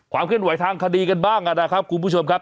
ความเข้าไหวทางคดีกันบ้างนะครับผู้ชมครับ